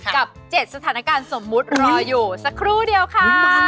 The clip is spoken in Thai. ๗สถานการณ์สมมุติรออยู่สักครู่เดียวค่ะ